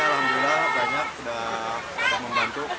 alhamdulillah banyak sudah membantu